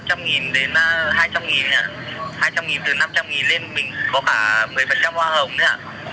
năm trăm linh đến hai trăm linh ạ hai trăm linh từ năm trăm linh lên mình có cả một mươi hoa hồng nữa ạ